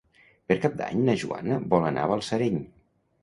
Per Cap d'Any na Joana vol anar a Balsareny.